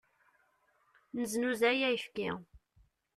Neznuzay ayefki.